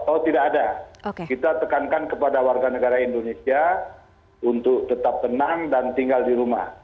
oh tidak ada kita tekankan kepada warga negara indonesia untuk tetap tenang dan tinggal di rumah